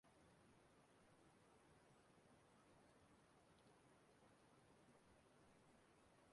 okenye nwere ike ịgbara nwata ọ tọrọ atọ odibo